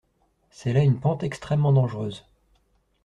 C’est là une pente extrêmement dangereuse.